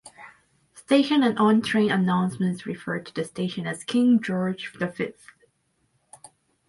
Station and on-train announcements refer to the station as 'King George the Fifth'.